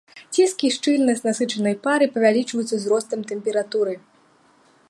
Ціск і шчыльнасць насычанай пары павялічваюцца з ростам тэмпературы.